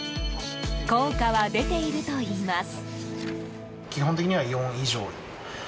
効果は出ているといいます。